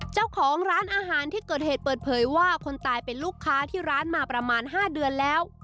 เจ้าของร้านอาหารที่เกิดเหตุเปิดเผยว่าคนตายเป็นลูกค้าที่ร้านมาประมาณ๕เดือนแล้ว